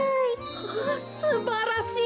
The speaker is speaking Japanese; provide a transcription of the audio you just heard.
ああすばらしい！